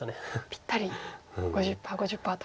ぴったり５０％５０％と。